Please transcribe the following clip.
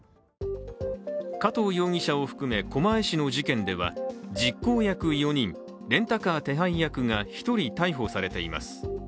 加藤容疑者を含め狛江市の事件では実行役４人、レンタカー手配役が１人逮捕されています。